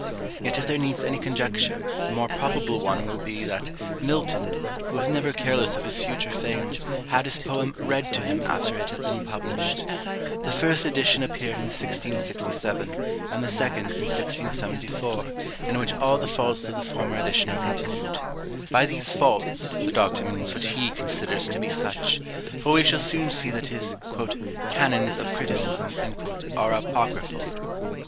Yet if there needs any conjecture, the more probable one will be, that Milton, who was never careless of his future fame, had his poem read to him after it had been published. The first edition appeared in 1667, and the second in 1674, in which all the faults of the former edition are continued. By these faults, the Doctor means what he considers to be such: for we shall soon see that his "Canons of Criticism" are apocryphal.